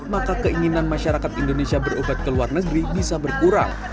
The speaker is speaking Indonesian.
maka keinginan masyarakat indonesia berobat ke luar negeri bisa berkurang